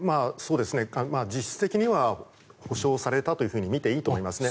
実質的には保証されたとみていいと思います。